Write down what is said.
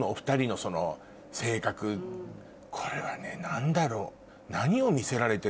これはね何だろう？